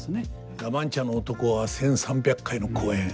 「ラ・マンチャの男」は１，３００回の公演。